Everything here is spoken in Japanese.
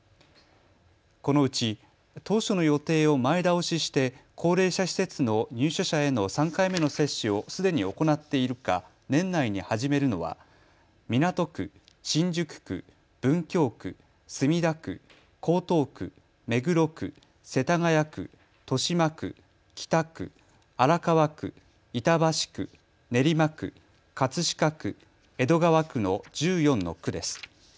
このうち当初の予定を前倒しして高齢者施設の入所者への３回目の接種をすでに行っているか、年内に始めるのは港区、新宿区、文京区、墨田区、江東区、目黒区、世田谷区、豊島区、北区、荒川区、板橋区、練馬区、葛飾区、江戸川区の１４の区です。